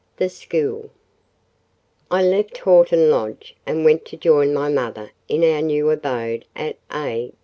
THE SCHOOL I left Horton Lodge, and went to join my mother in our new abode at A——.